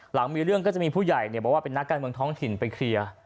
หลังมีเรื่องก็จะมีผู้ใหญ่บอกว่าเป็นนักการเมืองท้องถิ่นไปเคลียร์